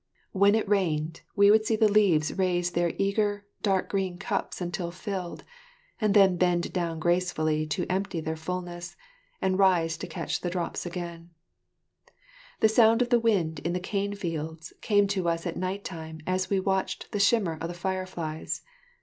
When it rained, we would see the leaves raise their eager, dark green cups until filled, then bend down gracefully to empty their fulness, and rise to catch the drops again. [Illustration: Mylady18.] The sound of the wind in the cane fields came to us at night time as we watched the shimmer of the fireflies.